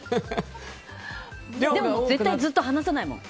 でも、絶対ずっと離さないもん。